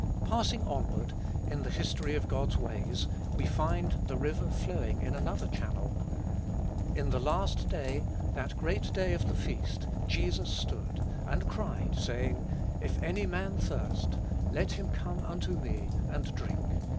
Passing onward, in the history of God's ways, we find the river flowing in another channel. "In the last day, that great day of the feast, Jesus stood, and cried, saying, If any man thirst, let him come unto me, and drink.